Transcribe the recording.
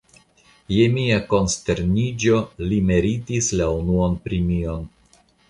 Je mia konsterniĝo, li meritis la unuan premion!